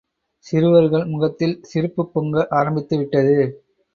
சிறுவர்கள் முகத்தில் சிரிப்புப் பொங்க ஆரம்பித்துவிட்டது.